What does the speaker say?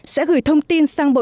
sẽ gửi thông tin cho cơ quan công an